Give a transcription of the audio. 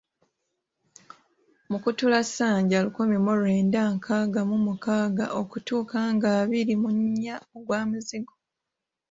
Mukutulansanja lukimi mu lwenda nkaaga mu mukaaga okutuuka ng'abiri mu nnya, ogwa Muzigo.